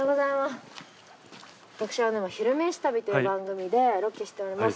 私「昼めし旅」という番組でロケしております